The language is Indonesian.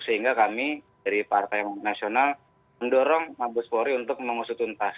sehingga kami dari partai nasional mendorong mabes polri untuk mengusutuntas